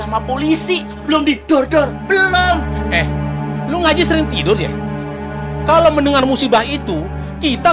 sama polisi belum didor dor belum eh lu ngaji sering tidur ya kalau mendengar musibah itu kita